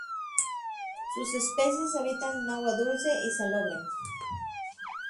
Sus especies habitan en agua dulce y salobre.